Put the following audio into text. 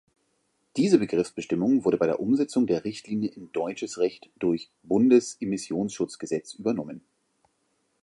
Diese Begriffsbestimmung wurde bei der Umsetzung der Richtlinie in deutsches Recht durch Bundes-Immissionsschutzgesetz übernommen.